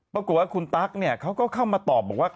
ปรับผลว่าคุณตั๊กเขาก็ข้าวมาตอบบอกว่า